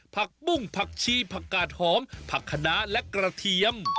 ผักชีผักกาดหอมผักหนาและกระเทียม